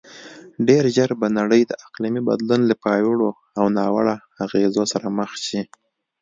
ډېرژر به نړی د اقلیمې بدلون له پیاوړو او ناوړو اغیزو سره مخ شې